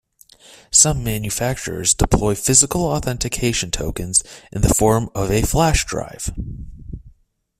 Some manufacturers deploy physical authentication tokens in the form of a flash drive.